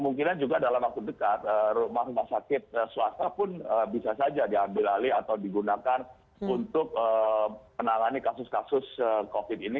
mungkin juga dalam waktu dekat rumah rumah sakit swasta pun bisa saja diambil alih atau digunakan untuk menangani kasus kasus covid ini